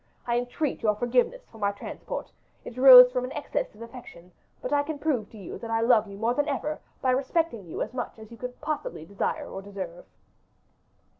I entreat your forgiveness for my transport; it arose from an excess of affection, but I can prove to you that I love you more than ever by respecting you as much as you can possibly desire or deserve."